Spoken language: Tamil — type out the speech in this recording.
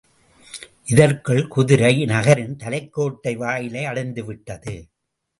இதற்குள் குதிரை நகரின் தலைக்கோட்டை வாயிலை அடைந்துவிட்டது.